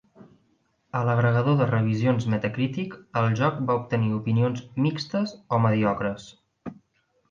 A l'agregador de revisions Metacritic, el joc va obtenir opinions "mixtes o mediocres".